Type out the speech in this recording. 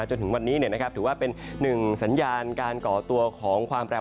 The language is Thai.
จนถึงวันนี้ถือว่าเป็นหนึ่งสัญญาณการก่อตัวของความแปร